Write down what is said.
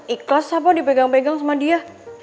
ikhlas apa dipegang pegang sama dia